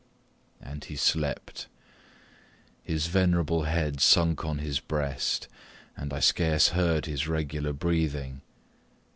And he slept. His venerable head sunk on his breast, and I scarce heard his regular breathing.